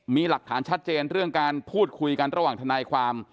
มีหลักฐานชัดเจนเรื่องการพูดคุยกันระหว่างทนายความ